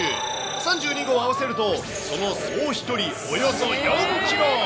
３２本合わせると、その総飛距離およそ４キロ。